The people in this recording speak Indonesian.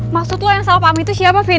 maksud lo yang salah paham itu siapa vin